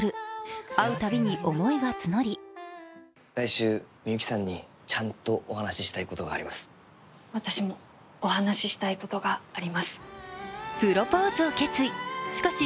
会うたびに思いは募り、プロポーズを決意。